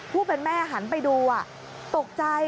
ผู้เป็นแม่หันไปดูตกใจ